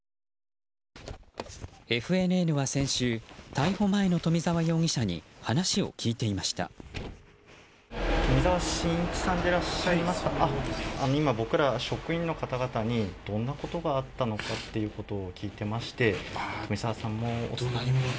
ＦＮＮは先週逮捕前の冨澤容疑者に話を聞いていました。